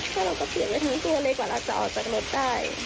ถ้าเราก็เขียนไว้ทั้งตัวเล็กกว่าเราจะออกจากรถได้